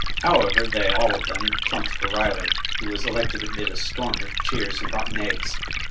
However, they all of them plumped for Riley, who was elected amid a storm of cheers and rotten eggs.